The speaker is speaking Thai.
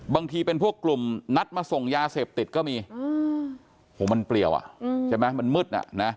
บางทีเป็นพวกกลุ่มนัดมาส่งยาเสพติดก็มีโหมันเปรียวมันมืด